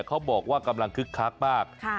เขาบอกว่ากำลังคึกคักมาก